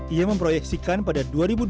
ia memproyeksikan pada dua ribu dua puluh